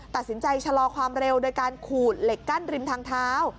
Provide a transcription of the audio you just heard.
ตัดสินใจชะลอความเร็วโดยการขูดเหล็กกั้นริมทางเท้า